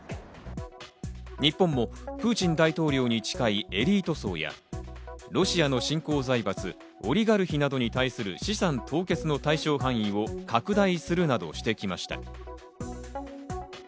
日本もプーチン大統領に近いエリート層や、ロシアの新興財閥・オリガルヒなどに対する資産凍結の対象範囲を拡大するなどしてきました。